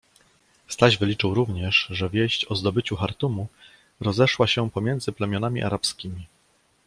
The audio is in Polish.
Staś wyliczył również, że wieść o zdobyciu Chartumu rozeszła się pomiędzy plemionami arabskimi.